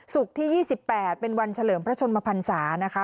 ที่๒๘เป็นวันเฉลิมพระชนมพันศานะคะ